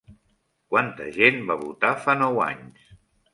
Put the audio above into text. Quanta gent va votar fa nou anys?